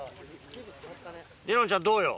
恋音ちゃんどうよ？